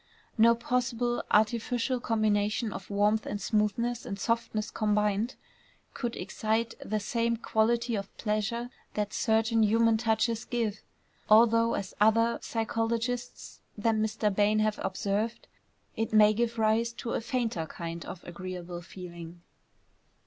No possible artificial combination of warmth and smoothness and softness combined could excite the same quality of pleasure that certain human touches give, although, as other psychologists than Mr. Bain have observed, it may give rise to a fainter kind of agreeable feeling.